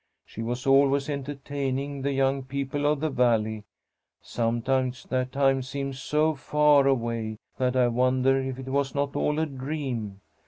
She was always entertaining the young people of the Valley. Sometimes that time seems so far away that I wonder if it was not all a dream.